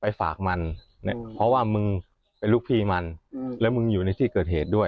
ฝากมันเนี่ยเพราะว่ามึงเป็นลูกพี่มันแล้วมึงอยู่ในที่เกิดเหตุด้วย